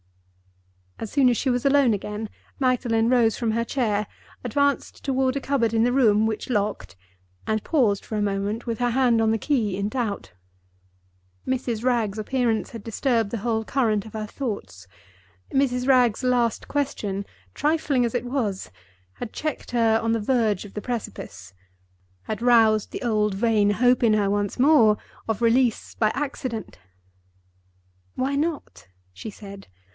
As soon as she was alone again, Magdalen rose from her chair, advanced toward a cupboard in the room which locked, and paused for a moment, with her hand on the key, in doubt. Mrs. Wragge's appearance had disturbed the whole current of her thoughts. Mrs. Wragge's last question, trifling as it was, had checked her on the verge of the precipice—had roused the old vain hope in her once more of release by accident. "Why not?" she said.